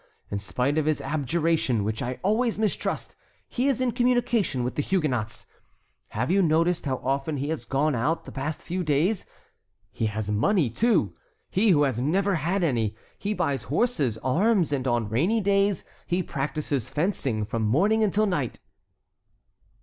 In spite of his abjuration, which I always mistrust, he is in communication with the Huguenots. Have you noticed how often he has gone out the past few days? He has money, too, he who has never had any. He buys horses, arms, and on rainy days he practises fencing from morning until night."